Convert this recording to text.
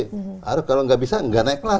kalau tidak bisa tidak naik kelas